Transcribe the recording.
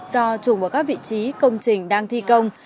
do trùng vào các vị trí công trình đang thi công